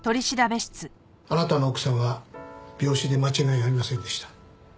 あなたの奥さんは病死で間違いありませんでした。